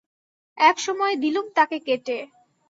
এক সময়ে দিলুম তাকে কেটে।